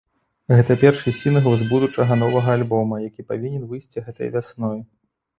Гэта першы сінгл з будучага новага альбома, які павінен выйсці гэтай вясной.